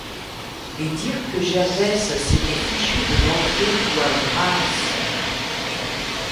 Et dire que Gervaise s'était fichu des ventrées d'oie grasse!